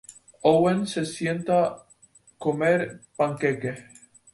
Owen se sienta comer panqueques.